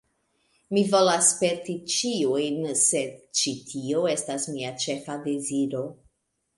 Mi volas sperti ĉiujn, sed ĉi tiu estas mia ĉefa deziro